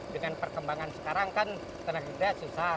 dengan perkembangan sekarang kan tenaga susah